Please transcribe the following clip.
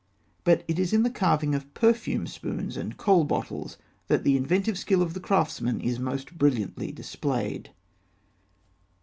But it is in the carving of perfume spoons and kohl bottles that the inventive skill of the craftsman is most brilliantly displayed.